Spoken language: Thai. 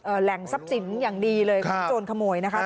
เอ่อแหล่งทรัพย์สินอย่างดีเลยครับโจรขโมยนะคะครับ